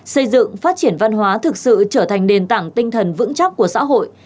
xây dựng phát triển văn hóa thực sự trở thành nền tảng tinh thần vững chắc của xã hội